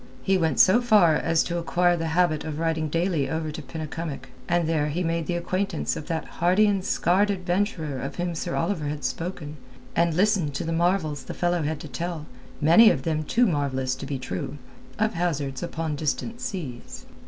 He went so far as to acquire the habit of riding daily over to Penycumwick, and there he made the acquaintance of that hardy and scarred adventurer of whom Sir Oliver had spoken, and listened to the marvels the fellow had to tell—many of them too marvellous to be true—of hazards upon distant seas.